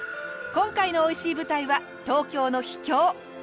今回のおいしい舞台は東京の秘境。